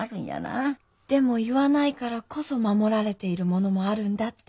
でも言わないからこそ守られているものもあるんだって